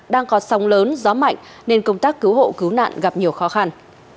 đang có sóng lớn gió mạnh nên công tác cứu hộ cứu nạn gặp nhiều khó khăn